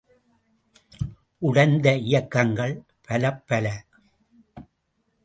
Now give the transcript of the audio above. உடைந்த இயக்கங்கள் பலப்பல!